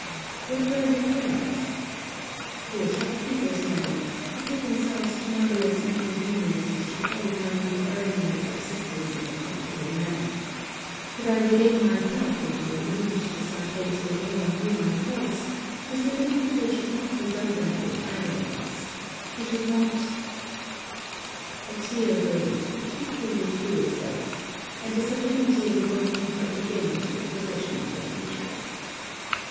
'What were your parents?' 'Poor shopkeepers, madam, who put themselves to numberless inconveniences to qualify me for earning my subsistence in a comfortable manner. Could I regain my health, and be removed to some place where no one knew my faults, Mr. Davenport should not be burthened with either of us; he should not ' A tear rose, but quickly withdrew itself; and the serenity of a broken heart again took possession of her features.